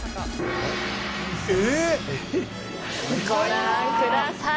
ご覧ください。